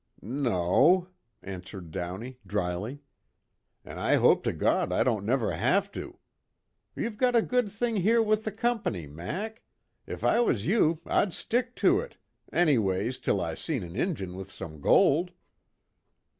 "No," answered Downey, dryly, "an' I hope to God I don't never have to. You've got a good thing here with the Company, Mac. If I was you I'd stick to it, anyways till I seen an Injun with some gold.